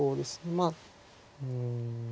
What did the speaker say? まあうん。